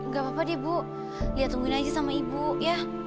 gak apa apa deh bu lihat tungguin aja sama ibu ya